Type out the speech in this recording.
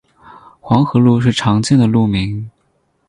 黄河路是常见的路名。